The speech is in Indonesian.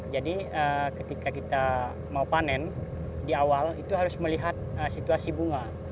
jadi ketika kita mau panen di awal itu harus melihat situasi bunga